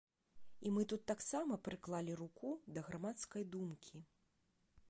І мы тут таксама прыклалі руку да грамадскай думкі.